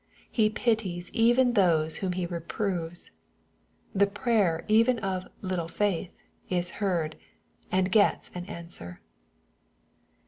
He pities even those whom "he reproves. The prayer even of ^^ little faith'' is hear37^<l g^^^ ^^ answer.